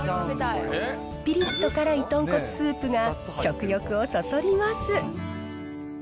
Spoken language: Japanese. ピリッと辛い豚骨スープが食欲をそそります。